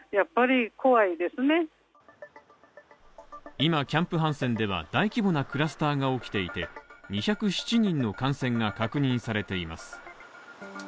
今キャンプ・ハンセンでは、大規模なクラスターが起きていて、２０７人の感染が確認されています。